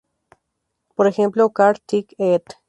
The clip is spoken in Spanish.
Por ejemplo, Kart-Teke et.